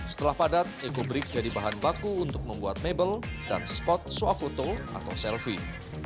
setelah padat ecobrik jadi bahan baku untuk membuat mebel dan spot suafoto atau selfie